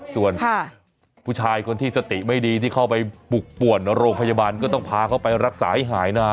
ส่วนผู้ชายคนที่สติไม่ดีที่เข้าไปปลุกป่วนโรงพยาบาลก็ต้องพาเขาไปรักษาให้หายนะ